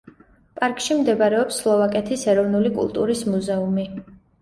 პარკში მდებარეობს სლოვაკეთის ეროვნული კულტურის მუზეუმი.